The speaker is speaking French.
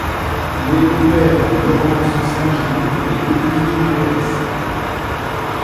Il est le père de Laurence Saint-Gilles et d'Olivier Marleix.